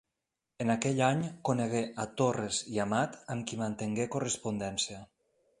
En aquell any conegué a Torres i Amat amb qui mantingué correspondència.